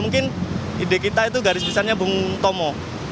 mungkin ide kita itu garis besarnya bung tomo